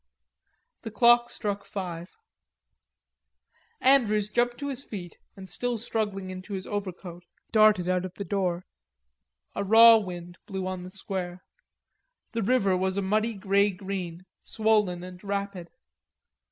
The clock struck five. Andrews jumped to his feet and still struggling into his overcoat darted out of the door. A raw wind blew on the square. The river was a muddy grey green, swollen and rapid.